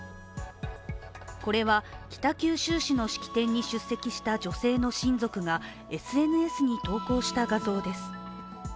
これは北九州市の式典に出席した女性の親族がＳＮＳに投稿した画像です。